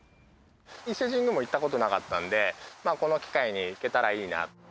伊勢神宮も行ったことがなかったので、この機会に行けたらいいな。